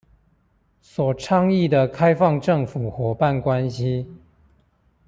所倡議的開放政府夥伴關係